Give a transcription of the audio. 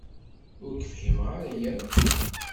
Ur k-fhimeɣ ara akk.